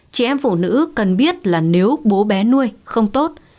chị em phụ nữ cần biết là nếu bố bé nuôi không tốt